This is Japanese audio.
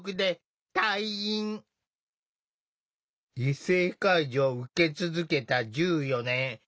異性介助を受け続けた１４年。